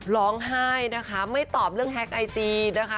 ร้องไห้นะคะไม่ตอบเรื่องแฮ็กไอจีนะคะ